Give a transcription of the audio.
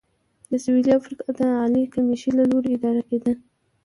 د سوېلي افریقا د عالي کمېشۍ له لوري اداره کېده.